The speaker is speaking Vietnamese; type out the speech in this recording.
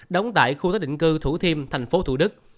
đóng tại khu tác định cư thủ thiêm tp thủ đức